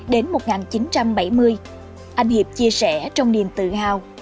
đến một nghìn chín trăm bảy mươi anh hiệp chia sẻ trong niềm tự hào